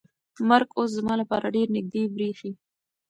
مرګ اوس زما لپاره ډېر نږدې برېښي.